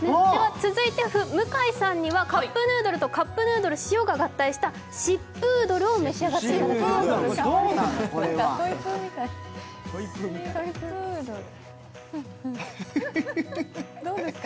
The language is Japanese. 続いて向井さんにはカップヌードルとカップヌードル塩が合体したシップードルを召し上がっていただきます。